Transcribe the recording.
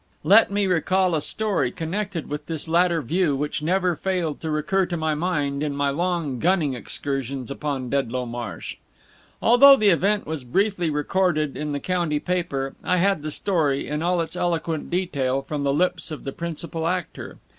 Let me recall a story connected with this latter view which never failed to recur to my mind in my long gunning excursions upon Dedlow Marsh. Although the event was briefly recorded in the county paper, I had the story, in all its eloquent detail, from the lips of the principal actor.